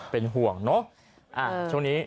เป็นห่วงเนอะช่วงนี้